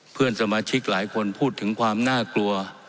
เพื่อนสมาชิกหลายคนพูดถึงความน่ากลัว